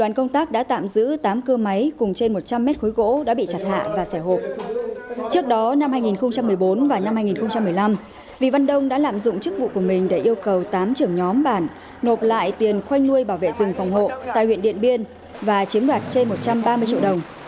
vì văn đông đã tạm giữ tám cơ máy cùng trên một trăm linh m khối gỗ đã bị chặt hạ và xẻ hộp trước đó năm hai nghìn một mươi bốn và năm hai nghìn một mươi năm vì văn đông đã lạm dụng chức vụ của mình để yêu cầu tám trưởng nhóm bản nộp lại tiền khoanh nuôi bảo vệ rừng phòng hộ tại huyện điện biên và chiếm đoạt trên một trăm ba mươi triệu đồng